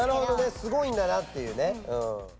すごいんだなっていうね。